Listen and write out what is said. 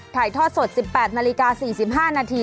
ถ่ายทอดสด๑๘นาฬิกา๔๕นาที